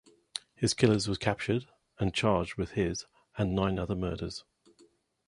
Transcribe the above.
His killers were captured and charged with his and nine other murders.